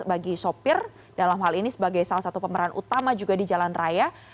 bagi sopir dalam hal ini sebagai salah satu pemeran utama juga di jalan raya